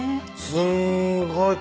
すんごい